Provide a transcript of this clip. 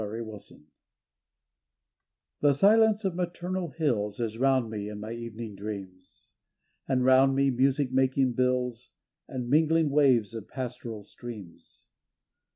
IN FRANCE The silence of maternal hills Is round me in my evening dreams; And round me music making bills And mingling waves of pastoral streams.